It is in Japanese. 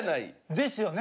ですよね。